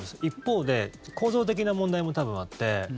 一方で構造的な問題も多分あって。